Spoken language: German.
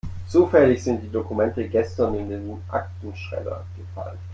Zufällig sind die Dokumente gestern in den Aktenschredder gefallen.